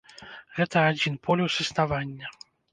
Гэта адзін полюс існавання.